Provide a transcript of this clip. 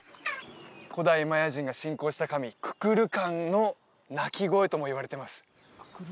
古代マヤ人が信仰した神ククルカンの鳴き声ともいわれてます